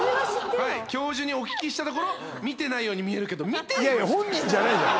はい教授にお聞きしたところ見てないようにみえるけど見ているといやいや本人じゃないじゃん